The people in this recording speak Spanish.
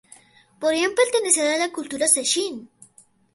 Podrían pertenecer a la cultura Sechín.